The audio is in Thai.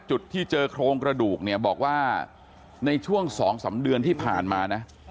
จุดที่เจอโครงกระดูกเนี่ยบอกว่าในช่วง๒๓เดือนที่ผ่านมานะ